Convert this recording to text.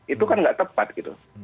itu kan nggak tepat gitu